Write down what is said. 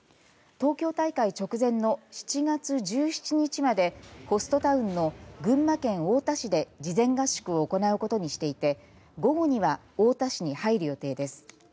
東京大会直前の７月１７日までホストタウンの群馬県太田市で事前合宿を行うことにしていて午後には太田市に入る予定です。